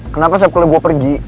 kenapa setelah gue pergi